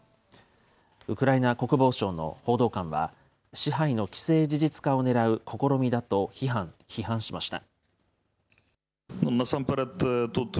ウクライナ国防省の報道官は、支配の既成事実化をねらう試みだと批判しました。